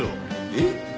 えっ？